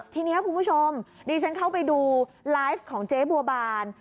ทีนี้คุณผู้ชมดิฉันเข้าไปดูไลฟ์ของเจ๊บัวบาน